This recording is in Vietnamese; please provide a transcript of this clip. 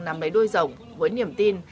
nắm lấy đôi rồng với niềm tin